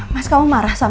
mas ini udah selesai